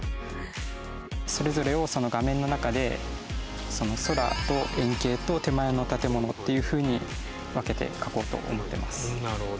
それぞれをその画面の中で空と遠景と手前の建物っていうふうに分けて描こうと思ってます。